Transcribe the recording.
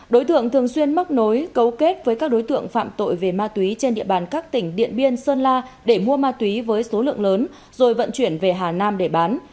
đối tượng thường xuyên móc nối cấu kết với các đối tượng phạm tội về ma túy trên địa bàn các tỉnh điện biên sơn la để mua ma túy với số lượng lớn rồi vận chuyển về hà nam để bán